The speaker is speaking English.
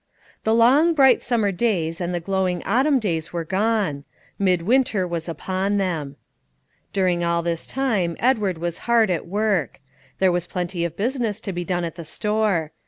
The long, bright summer days and the glowing autumn days were gone; mid winter was upon them. During all this time Edward was hard at work; there was plenty of business to be done at the store.